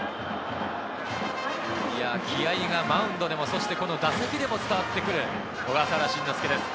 気合いがマウンドでも、そして打席でも伝わってくる小笠原慎之介です。